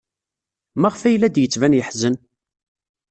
Maɣef ay la d-yettban yeḥzen?